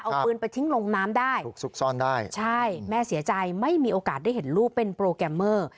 เอาปืนไปทิ้งลงน้ำได้ถูกซุกซ่อนได้ใช่แม่เสียใจไม่มีโอกาสได้เห็นลูกเป็นโปรแกรมเมอร์